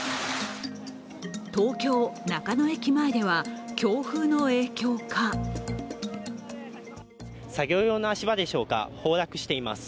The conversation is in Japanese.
東京・中野駅前では強風の影響か作業用の足場でしょうか、崩落しています。